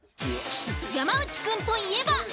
山内くんといえば。